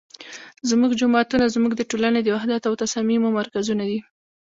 زمونږ جوماتونه زمونږ د ټولنې د وحدت او تصاميمو مرکزونه دي